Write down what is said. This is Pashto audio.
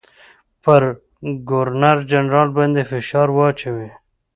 پر ګورنرجنرال باندي فشار واچوي.